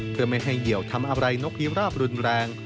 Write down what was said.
เพื่อไม่ให้เหยียวทำอะไรนกพิราบรุนแรง